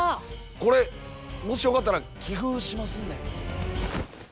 これもしよかったら寄付しますんで。